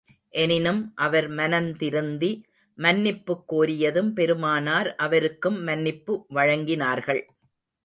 எனினும் அவர் மனந்திருந்தி மன்னிப்புக் கோரியதும், பெருமானார் அவருக்கும் மன்னிப்பு வழங்கினார்கள்.